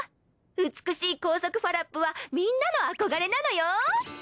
美しい高速ファラップはみんなの憧れなのよ。